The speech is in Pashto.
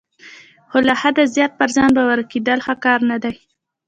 خو له حده زیات پر ځان باوري کیدل ښه کار نه دی.